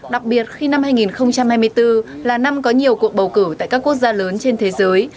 đặc biệt khi năm hai nghìn hai mươi bốn là năm có nhiều cuộc bầu cử tại các quốc gia lớn trên thế giới